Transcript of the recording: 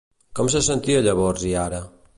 Com se sentia llavors i ara?